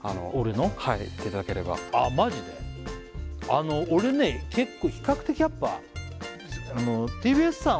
あの俺ね結構比較的やっぱＴＢＳさん